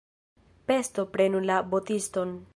Pesto prenu la botiston!